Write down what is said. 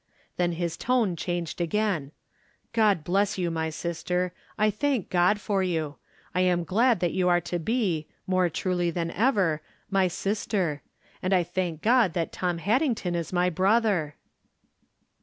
Then his tone changed again. " God bless you, my sister ! I thank God for you. I am glad that you are to be, more truly than ever, my sis ter. And I thank God that Tom Haddington is my brother."